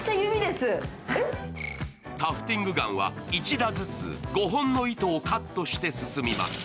タフティングガンは１打ずつ５本の糸をカットして進みます。